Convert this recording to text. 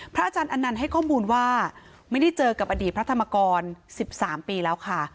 อาจารย์อนันต์ให้ข้อมูลว่าไม่ได้เจอกับอดีตพระธรรมกร๑๓ปีแล้วค่ะ